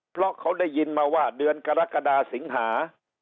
เพราะเขาได้ยินมาว่าเดือนกรกฎาสิงหา